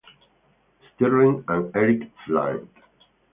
Stirling, and Eric Flint.